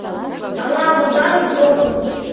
Ала логалын огыл.